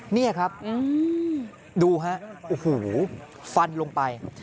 นี่ครับดูฮะฟันลงไป